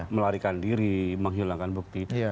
melarikan diri menghilangkan bukti